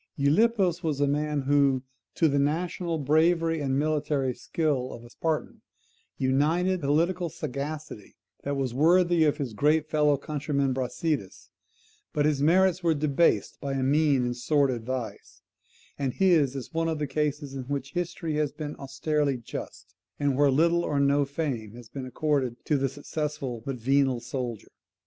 Gylippus was a man who, to the national bravery and military skill of a Spartan, united political sagacity that was worthy of his great fellow countryman Brasidas; but his merits were debased by mean and sordid vice; and his is one of the cases in which history has been austerely just, and where little or no fame has been accorded to the successful but venal soldier.